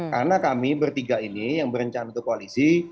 karena kami bertiga ini yang berencana untuk koalisi